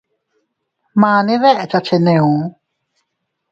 Mane dekcha cheneo.